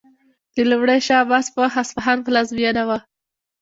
د لومړي شاه عباس په وخت اصفهان پلازمینه و.